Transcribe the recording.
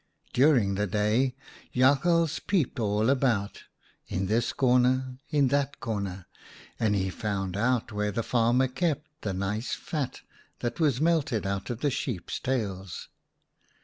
" During the day Jakhals peeped all about, in this corner, in that corner, and he found out where the farmer kept the nice fat that was melted out of the sheep's tails.